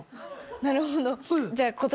なるほど。